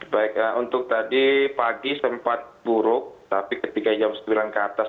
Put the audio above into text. baik untuk tadi pagi sempat buruk tapi ketika jam sembilan ke atas